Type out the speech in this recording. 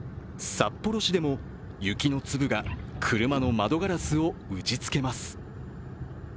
札幌市でも雪の粒が車の窓ガラスを打ちつけます。